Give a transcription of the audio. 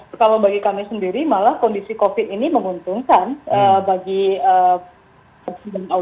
ya kalau bagi kami sendiri malah kondisi covid sembilan belas ini menguntungkan bagi pemerintah